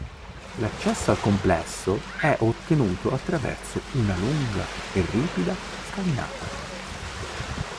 L'accesso al complesso e ottenuto attraverso una lunga e ripida scalinata.